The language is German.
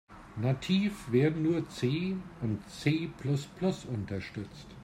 Nativ werden nur C und C-plus-plus unterstützt.